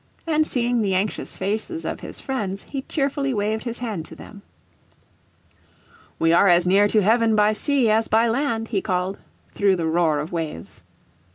And seeing the anxious faces of his friends he cheerfully waved his hand to them. "We are as near to heaven by sea as by land," he called, through the roar of waves.